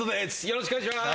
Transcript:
よろしくお願いします。